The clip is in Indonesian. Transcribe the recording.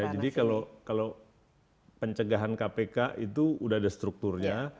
jadi kalau pencegahan kpk itu sudah ada strukturnya